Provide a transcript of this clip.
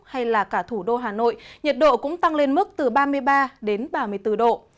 hay là cả thủ đô hà nội nhiệt độ cũng tăng lên mức từ ba mươi ba đến ba mươi bốn độ